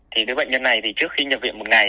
thì cái bệnh nhân này thì trước khi nhập viện một ngày